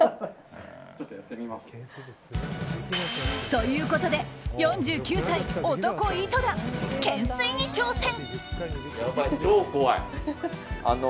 ということで４９歳、男、井戸田懸垂に挑戦！